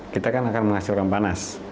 kita kan akan menghasilkan panas